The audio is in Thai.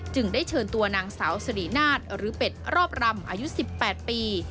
ได้เชิญตัวนางสาวสิรินาทหรือเป็ดรอบรำอายุ๑๘ปี